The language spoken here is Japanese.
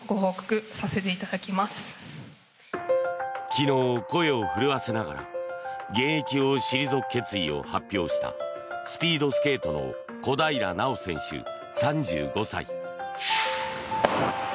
昨日、声を震わせながら現役を退く決意を発表したスピードスケートの小平奈緒選手３５歳。